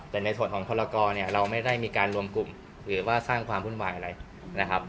แต่ในส่วนของพลกรเนี่ยเราไม่ได้มีการรวมกลุ่มหรือว่าสร้างความวุ่นวายอะไรนะครับ